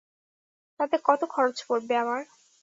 তাতে কত খরচ পড়বে আমার?